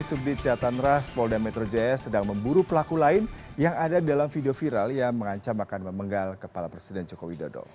subdit jahatan ras polda metro jaya sedang memburu pelaku lain yang ada dalam video viral yang mengancam akan memenggal kepala presiden joko widodo